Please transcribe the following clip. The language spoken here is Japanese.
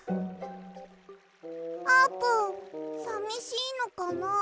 あーぷんさみしいのかな？